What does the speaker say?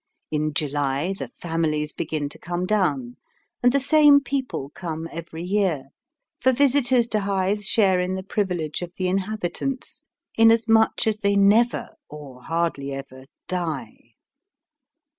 In July "The Families" begin to come down, and the same people come every year, for visitors to Hythe share in the privilege of the inhabitants, inasmuch as they never or hardly ever die.